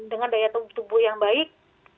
dengan daya tubuh yang baik